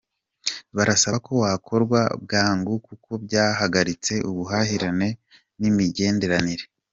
Barasaba ko wakorwa bwangu kuko byahagaritse ubuhahirane nimigenderanire.